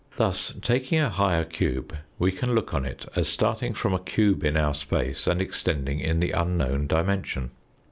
Thus, taking a higher cube, we can look on it as starting from a cube in our space and extending in the unknown dimension.